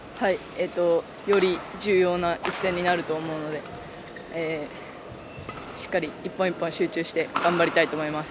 より重要な一戦になると思うのでしっかり一本一本集中して頑張りたいと思います。